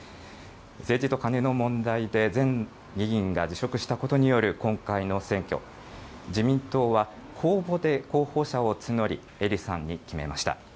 政治とカネの問題で前議員が辞職したことによる今回の選挙、自民党は公募で候補者を募り英利さんに決めました。